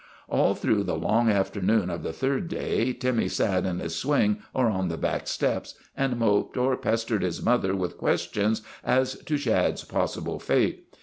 All through the long forenoon of the third day Timmy sat in his swing or on the back steps and moped or pestered his mother with questions as to Shad's possible fate.